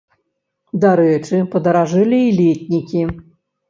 Дарэчы, падаражэлі і летнікі.